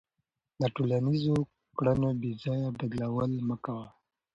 د ټولنیزو کړنو بېځایه بدلول مه کوه.